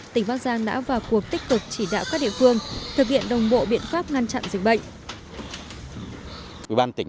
tỉnh bắc giang đã vào cuộc tích cực chỉ đạo các địa phương thực hiện đồng bộ biện pháp ngăn chặn dịch bệnh